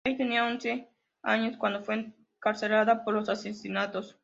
Bell tenía once años cuando fue encarcelada por los asesinatos.